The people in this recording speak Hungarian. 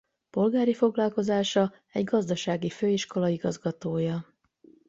Polgári foglalkozása egy gazdasági főiskola igazgatója.